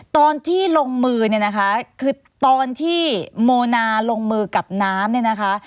ตอนที่ลงมือเนี่ยนะคะคือตอนที่โมนาลงมือกับน้ำเนี่ยนะคะ